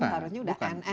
taruhnya udah end end kan